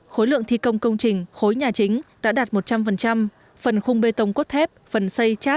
khối lượng thi công công trình khối nhà chính đã đạt một trăm linh phần khung bê tông cốt thép phần xây chát đạt một trăm linh